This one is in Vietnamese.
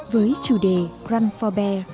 với chủ đề run for bear